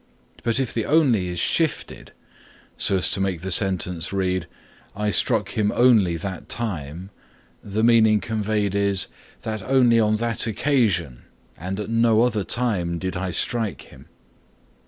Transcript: But if the only is shifted, so as to make the sentence read "I struck him only that time" the meaning conveyed is, that only on that occasion and at no other time did I strike him.